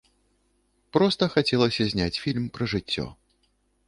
Проста хацелася зняць фільм пра жыццё.